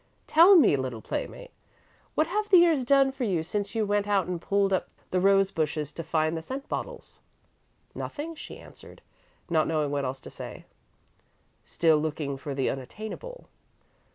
"Tell me, little playmate, what have the years done for you since you went out and pulled up the rose bushes to find the scent bottles?" "Nothing," she answered, not knowing what else to say. "Still looking for the unattainable?"